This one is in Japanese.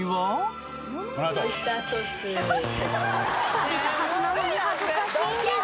食べたはずなのに恥ずかしいンデス。